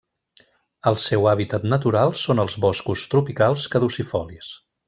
El seu hàbitat natural són els boscos tropicals caducifolis.